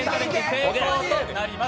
成功となりま